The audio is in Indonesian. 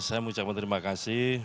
saya mengucapkan terima kasih